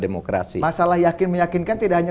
demokrasi masalah yakin meyakinkan tidak hanya